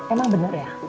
emang benar ya